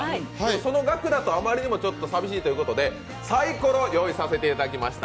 その額だと余りにもちょっと寂しいということでさいころを用意させていただきました。